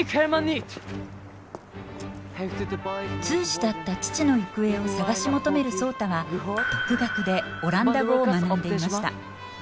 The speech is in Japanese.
通詞だった父の行方を探し求める壮多は独学でオランダ語を学んでいました。